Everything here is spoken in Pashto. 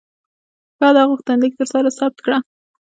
ښه ده، غوښتنلیک درسره ثبت کړه.